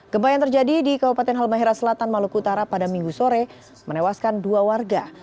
gempa yang terjadi di kabupaten halmahera selatan maluku utara pada minggu sore menewaskan dua warga